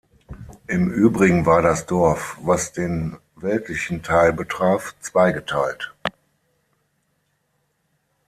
Im Übrigen war das Dorf, was den weltlichen Teil betraf, zweigeteilt.